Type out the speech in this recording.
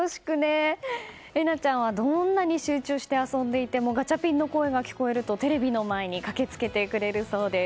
咲凪ちゃんはどんなに集中して遊んでいてもガチャピンの声が聞こえるとテレビの前に駆けつけてくれるそうです。